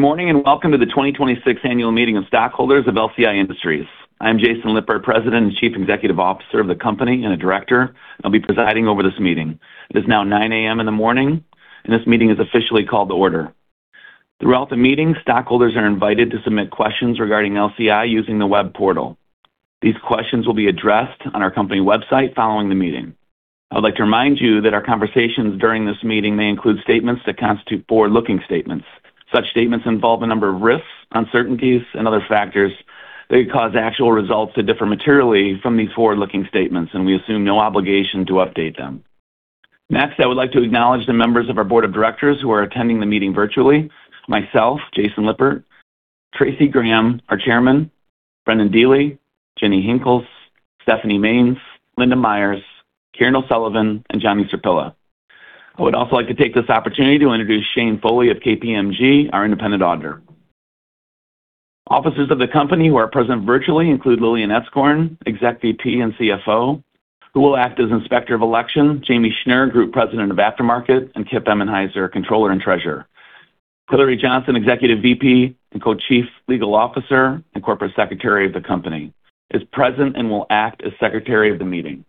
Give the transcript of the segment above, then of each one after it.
Good morning, welcome to the 2026 annual meeting of stockholders of LCI Industries. I'm Jason Lippert, President and Chief Executive Officer of the company and a Director. I'll be presiding over this meeting. It is now 9:00 A.M. in the morning, and this meeting is officially called to order. Throughout the meeting, stockholders are invited to submit questions regarding LCI using the web portal. These questions will be addressed on our company website following the meeting. I would like to remind you that our conversations during this meeting may include statements that constitute forward-looking statements. Such statements involve a number of risks, uncertainties, and other factors that could cause actual results to differ materially from these forward-looking statements, and we assume no obligation to update them. Next, I would like to acknowledge the members of our Board of Directors who are attending the meeting virtually. Myself, Jason Lippert, Tracy Graham, our Chairman, Brendan Deely, Ginnie Henkels, Stephanie Mains, Linda Myers, Kieran O'Sullivan, and Johnny Sirpilla. I would also like to take this opportunity to introduce Shane Foley of KPMG, our independent auditor. Officers of the company who are present virtually include Lillian Etzkorn, Executive VP and CFO, who will act as Inspector of Election, Jamie Schnur, Group President of Aftermarket, and Kip Emenhiser, Controller and Treasurer. Hilary Johnson, Executive VP and Co-Chief Legal Officer and Corporate Secretary of the company, is present and will act as Secretary of the meeting.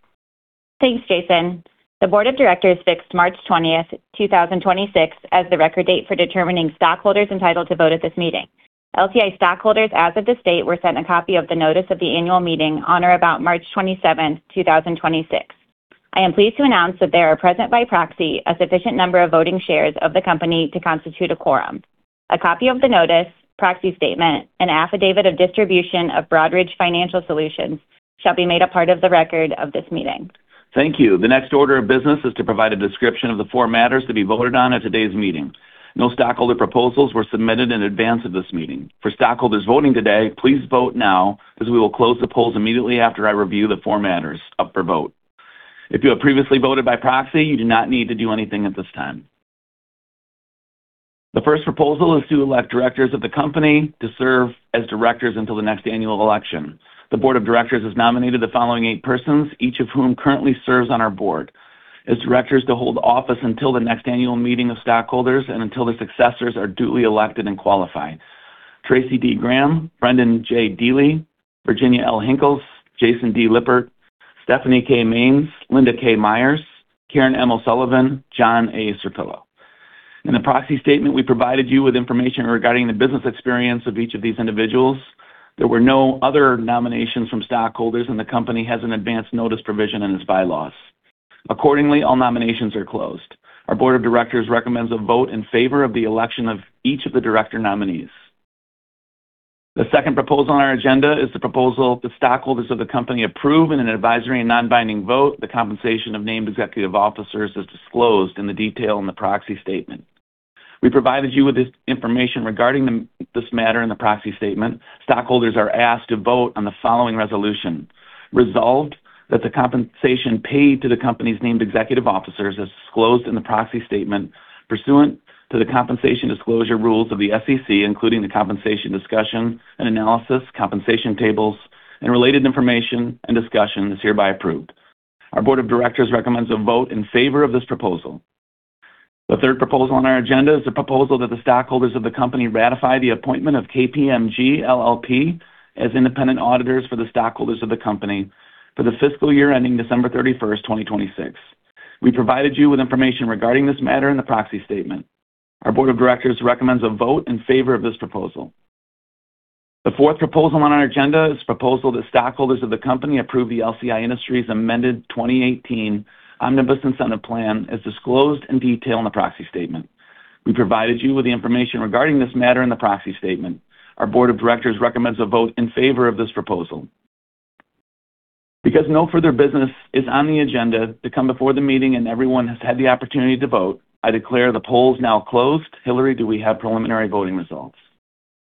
Thanks, Jason. The board of directors fixed March 20th, 2026 as the record date for determining stockholders entitled to vote at this meeting. LCI stockholders, as of this date, were sent a copy of the notice of the annual meeting on or about March 27th, 2026. I am pleased to announce that there are present by proxy a sufficient number of voting shares of the company to constitute a quorum. A copy of the notice, proxy statement, and affidavit of distribution of Broadridge Financial Solutions shall be made a part of the record of this meeting. Thank you. The next order of business is to provide a description of the four matters to be voted on at today's meeting. No stockholder proposals were submitted in advance of this meeting. For stockholders voting today, please vote now as we will close the polls immediately after I review the four matters up for vote. If you have previously voted by proxy, you do not need to do anything at this time. The first proposal is to elect directors of the company to serve as directors until the next annual election. The board of directors has nominated the following eight persons, each of whom currently serves on our board as directors to hold office until the next annual meeting of stockholders and until the successors are duly elected and qualified. Tracy D. Graham, Brendan J. Deely, Virginia L. Henkels, Jason D. Lippert, Stephanie K. Mains, Linda K. Myers, Kieran M. O'Sullivan, John A. Sirpilla. In the proxy statement, we provided you with information regarding the business experience of each of these individuals. There were no other nominations from stockholders, and the company has an advance notice provision in its bylaws. Accordingly, all nominations are closed. Our board of directors recommends a vote in favor of the election of each of the director nominees. The second proposal on our agenda is the proposal that stockholders of the company approve in an advisory and non-binding vote the compensation of named executive officers as disclosed in the detail in the proxy statement. We provided you with this information regarding this matter in the proxy statement. Stockholders are asked to vote on the following resolution. Resolved that the compensation paid to the company's named executive officers, as disclosed in the proxy statement pursuant to the compensation disclosure rules of the SEC, including the compensation discussion and analysis, compensation tables, and related information and discussion, is hereby approved. Our board of directors recommends a vote in favor of this proposal. The third proposal on our agenda is a proposal that the stockholders of the company ratify the appointment of KPMG LLP as independent auditors for the stockholders of the company for the fiscal year ending December 31st, 2026. We provided you with information regarding this matter in the proxy statement. Our board of directors recommends a vote in favor of this proposal. The fourth proposal on our agenda is a proposal that stockholders of the company approve the LCI Industries amended 2018 Omnibus Incentive Plan as disclosed in detail in the proxy statement. We provided you with the information regarding this matter in the proxy statement. Our board of directors recommends a vote in favor of this proposal. Because no further business is on the agenda to come before the meeting and everyone has had the opportunity to vote, I declare the polls now closed. Hilary, do we have preliminary voting results?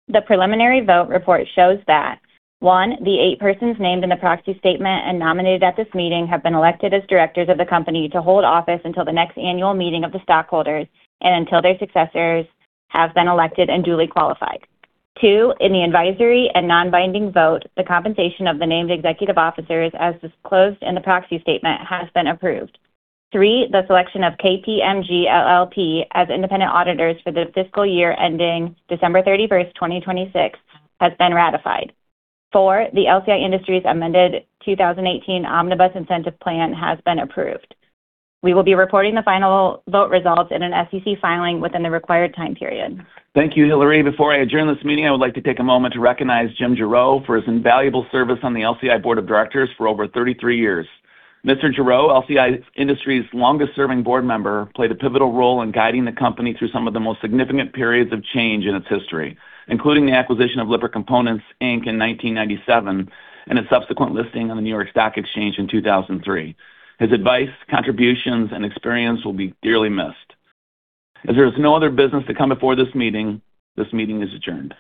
The preliminary vote report shows that, one, the eight persons named in the proxy statement and nominated at this meeting have been elected as directors of the company to hold office until the next annual meeting of the stockholders and until their successors have been elected and duly qualified. Two, in the advisory and non-binding vote, the compensation of the named executive officers, as disclosed in the proxy statement, has been approved. Three, the selection of KPMG LLP as independent auditors for the fiscal year ending December 31st, 2026, has been ratified. Fpur, the LCI Industries amended 2018 Omnibus Incentive Plan has been approved. We will be reporting the final vote results in an SEC filing within the required time period. Thank you, Hilary. Before I adjourn this meeting, I would like to take a moment to recognize James Gero for his invaluable service on the LCI Board of Directors for over 33 years. Mr. Gero, LCI Industries' longest-serving board member, played a pivotal role in guiding the company through some of the most significant periods of change in its history, including the acquisition of Lippert Components, Inc. in 1997 and its subsequent listing on the New York Stock Exchange in 2003. His advice, contributions, and experience will be dearly missed. As there is no other business to come before this meeting, this meeting is adjourned.